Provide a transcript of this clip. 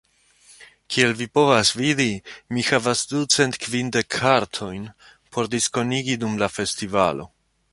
Kiel vi povas vidi, mi havas ducent kvindek kartojn, por diskonigi dum la festivalo.